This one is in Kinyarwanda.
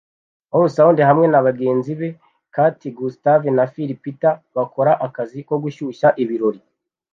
Ally Soudy hamwe na bagenzi be Kate Gustave na Phill Peter bakora akazi ko gushyushya ibirori